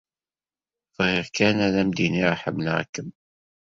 Bɣiɣ kan ad m-d-iniɣ ḥemmleɣ-kem.